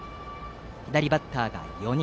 左バッターが４人。